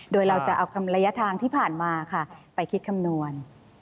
โดยเราจะเอาคำระยะทางที่ผ่านมาค่ะไปคิดคำนวณ